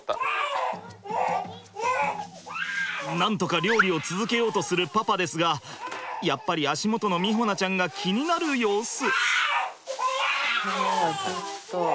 なんとか料理を続けようとするパパですがやっぱり足元の美穂菜ちゃんが気になる様子。